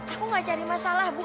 aku gak cari masalah bu